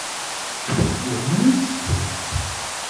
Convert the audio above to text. Wehment?